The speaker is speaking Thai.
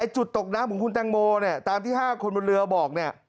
จุดตกน้ำของคุณแตงโมตามที่๕คนบนเรือบอก